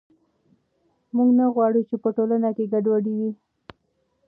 موږ نه غواړو چې په ټولنه کې ګډوډي وي.